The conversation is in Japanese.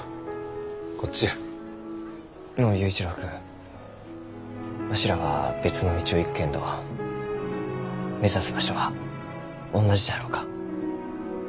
のう佑一郎君わしらは別の道を行くけんど目指す場所はおんなじじゃろうか？